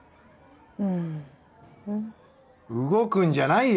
うんうん・動くんじゃないよ